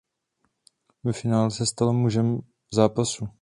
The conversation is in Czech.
Ve finále se stal mužem zápasu.